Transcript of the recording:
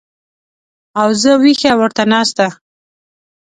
او زه وېښه ورته ناسته